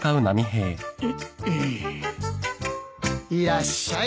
いらっしゃい。